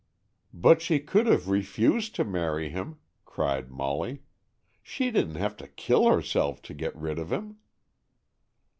"But she could have refused to marry him," cried Molly. "She didn't have to kill herself to get rid of him."